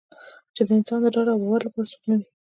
چې د انسان د ډاډ او باور لپاره څوک نه وي.